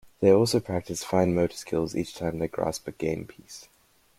They also practice fine motor skills each time they grasp a game piece.